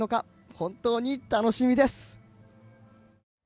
本当に楽しみです。